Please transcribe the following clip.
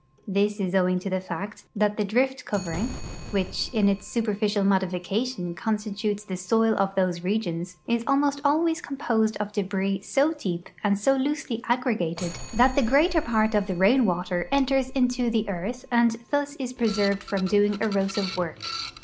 This is owing to the fact that the drift covering, which in its superficial modification con stitutes the soil of those regions, is almost always com|)osed of debris so dee[> and so loosely aggregated that the greater [>art 372 THE ECOXOMIC ASPECTS OF SOIL EROSION of the rain water enters into the earth and thus is preserved from doing erosive work.